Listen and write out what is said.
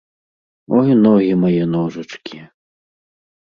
Ой, ногі мае, ножачкі!